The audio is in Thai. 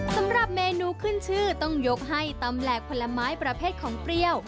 สำหรับเมนูขึ้นชื่อต้องยกให้ตำแหลกผลไม้ประเภทของเปรี้ยว